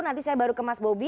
nanti saya baru ke mas bobi